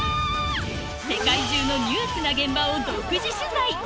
世界中のニュースな現場を独自取材